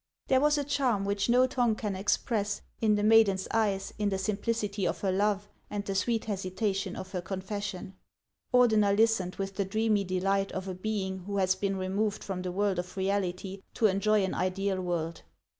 There was a charm which no tongue can express, in the maiden's eyes, in the simplicity of her love, and the sweet hesitation of her confession. Ordener listened with the dreamy delight of a being who has been removed from the world of reality to enjoy an ideal world.